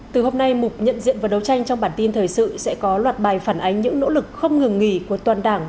từ hôm nay mục nhận diện và đấu tranh trong bản tin thời sự sẽ có loạt bài phản ánh những nỗ lực không ngừng nghỉ của toàn đảng